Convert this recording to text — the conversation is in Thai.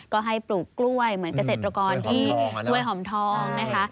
ก็ให้ปลูกกล้วยเหมือนเกษตรกรที่ห้วยหอมทองนะคะ